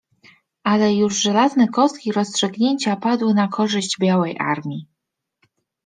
Ale już żelazne kostki rozstrzygnięcia padły na korzyść białej armii.